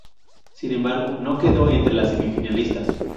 Sin embargo, no quedó entre las semifinalistas.